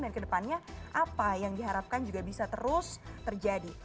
dan kedepannya apa yang diharapkan juga bisa terus terjadi